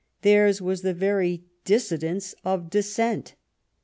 Theirs was the very dissidence of dissent.